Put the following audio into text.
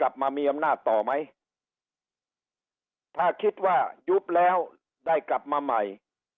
กลับมามีอำนาจต่อไหมถ้าคิดว่ายุบแล้วได้กลับมาใหม่